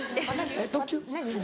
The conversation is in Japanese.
えっ特急？